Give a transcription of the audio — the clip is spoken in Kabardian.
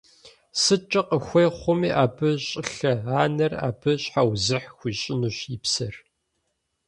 СыткӀэ къыхуей хъуми абы щӀылъэ – анэр абы щхьэузыхь хуищӀынущ и псэр.